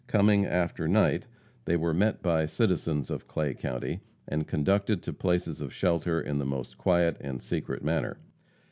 Coming after night, they were met by citizens of Clay county and conducted to places of shelter in the most quiet and secret manner.